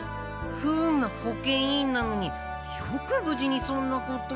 不運な保健委員なのによくぶじにそんなこと。